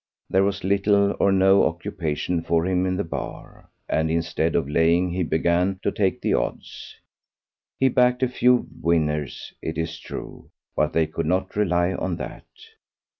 There was little or no occupation for him in the bar; and instead of laying he began to take the odds. He backed a few winners, it is true; but they could not rely on that.